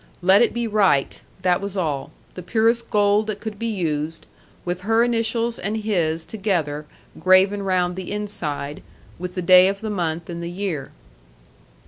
Let it be right, that was all: the purest gold that could be used, with her initials and his together graven round the inside, with the day of the month and the year.